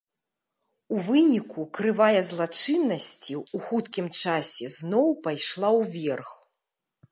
У выніку крывая злачыннасці у хуткім часе зноў пайшла ўверх.